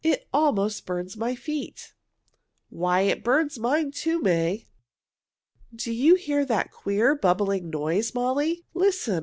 It almost burns my feet." "Why, it burns mine, too, May!" "Do you hear that queer, bubbling noise, Molly? Listen!